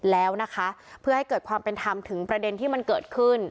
แล้วนะคะเพื่อให้เกิดความเป็นธรรมถึงประเด็นที่มันเกิดขึ้น